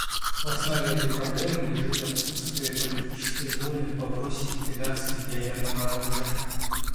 В основе этой проблемы лежит отсутствие политической воли в вопросе ликвидации ядерного оружия.